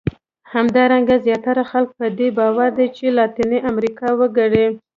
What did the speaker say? همدارنګه زیاتره خلک په دې باور دي چې لاتیني امریکا وګړي.